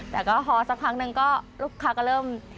แต่ก็พอสักพักหนึ่งก็ลูกค้าก็เริ่ม